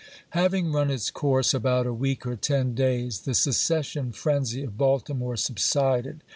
Having run its course about a week or ten days, the secession frenzy of Baltimore subsided.